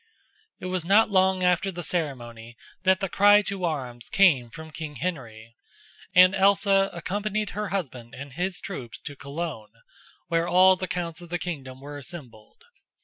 It was not long after the ceremony that the cry to arms came from King Henry, and Elsa accompanied her husband and his troops to Cologne, where all the counts of the kingdom were assembled.